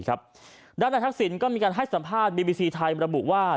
ด้านในทักษิณก็มีการให้สัมภาษณ์บีบีซีไทยระบุว่า